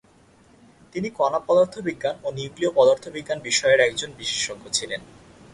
তিনি কণা পদার্থবিজ্ঞান ও নিউক্লীয় পদার্থবিজ্ঞান বিষয়ের একজন বিশেষজ্ঞ ছিলেন।